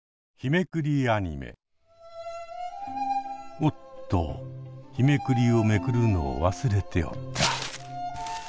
おっと日めくりをめくるのを忘れておった。